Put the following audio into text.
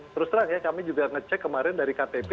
terus terang ya kami juga ngecek kemarin dari ktp